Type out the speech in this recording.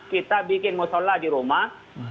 kita bikin musola di rumah